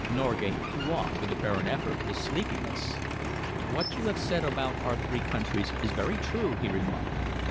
Norgate threw off, with apparent effort, his sleepiness. "What you have said about our three countries is very true," he remarked.